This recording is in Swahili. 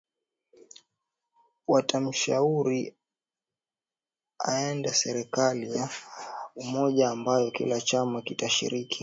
watamshauri aunde serikali ya umoja ambayo kila chama kitashiriki